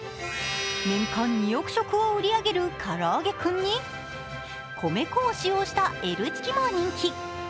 年間２億食を売り上げるからあげクンに米粉を使用したＬチキも人気。